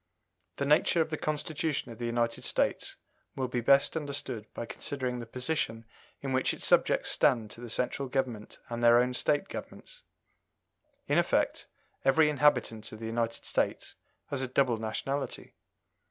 The nature of the Constitution of the United States will be best understood by considering the position in which its subjects stand to the Central Government and their own State Governments. In effect, every inhabitant of the United States has a double nationality.